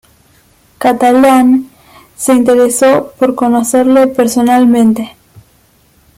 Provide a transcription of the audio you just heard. Catalán, se interesó por conocerle personalmente.